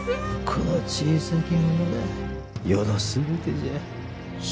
この小さき者が余の全てじゃ。